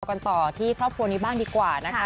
กันต่อที่ครอบครัวนี้บ้างดีกว่านะคะ